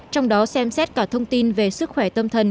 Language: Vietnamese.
trong đó xem xét cả thông tin về sức khỏe tâm thần